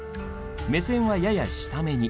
目線はやや下めに。